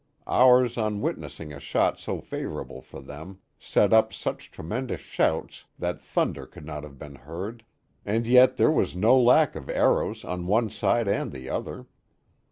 Ours on witnessing a shot so favorable for them, set up such tremendous shouts that thunder could not have been heard; and yet there was no lack of arrows on one side and the other.